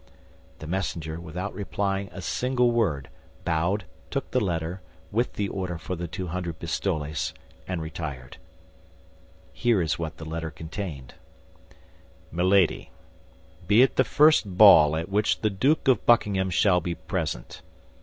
The messenger, without replying a single word, bowed, took the letter, with the order for the two hundred pistoles, and retired. Here is what the letter contained: MILADY, Be at the first ball at which the Duke of Buckingham shall be present.